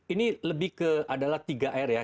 ini lebih ke adalah tiga r ya